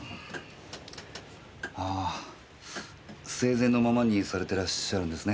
あぁ生前のままにされてらっしゃるんですね。